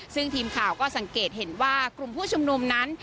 ซึ่งทีมข่าวก็สังเกตเห็นว่ากลุ่มผู้ชุมนุมนั้น